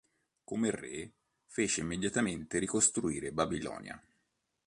Come re, fece immediatamente ricostruire Babilonia.